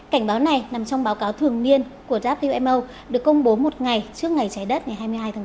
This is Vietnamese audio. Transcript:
cảnh báo này nằm trong báo cáo thường niên của wmo được công bố một ngày trước ngày trái đất ngày hai mươi hai tháng bốn